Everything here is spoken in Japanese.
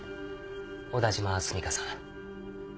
小田島澄香さん。